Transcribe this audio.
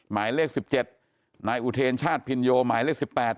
หมายเลขสิบเจ็ดนายอุเทรชาติพินโยหมายเลขสิบแปด